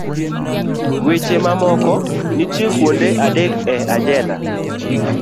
Weche mamoko nitie kuonde adek e ajenda